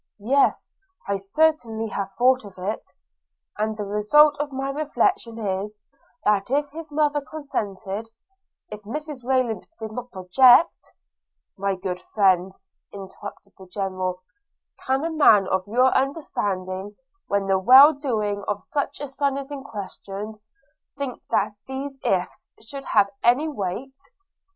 Yes, I certainly have thought of it; and the result of my reflections is, that if his mother consented, if Mrs Rayland did not object –' 'My good friend,' interrupted the General, 'can a man of your understanding, when the well doing of such a son is in question, think that these ifs should have any weight?